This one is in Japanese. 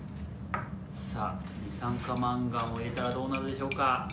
さあ二酸化マンガンを入れたらどうなるでしょうか？